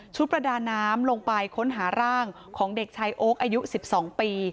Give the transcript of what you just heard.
ประดาน้ำลงไปค้นหาร่างของเด็กชายโอ๊คอายุ๑๒ปี